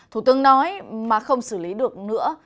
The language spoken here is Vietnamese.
thủ tướng nói mà không xử lý được nữa